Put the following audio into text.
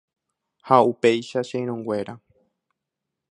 Ha upéicha che irũnguéra.